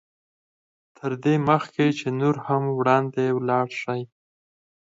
تر دې مخکې چې نور هم وړاندې ولاړ شئ.